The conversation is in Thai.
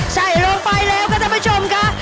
ใส่ลงไปแล้วก็ท่านผู้ชมค่ะ